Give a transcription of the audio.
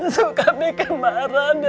suka bikin marah de